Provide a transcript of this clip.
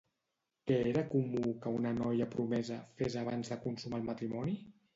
Què era comú que una noia promesa fes abans de consumar el matrimoni?